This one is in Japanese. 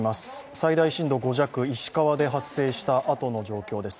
最大震度５弱、石川で発生したあとの情報です。